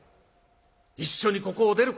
一緒にここを出るか」。